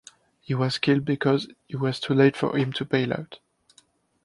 He was killed because it was too late for him to bail out.